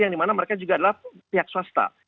yang dimana mereka juga adalah pihak swasta